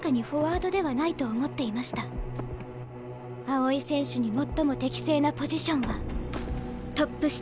青井選手に最も適正なポジションはトップ下。